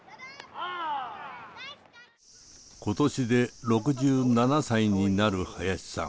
今年で６７歳になる林さん。